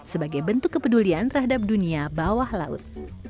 sebagai bentuk kepedulian terhadap dunia bawah laut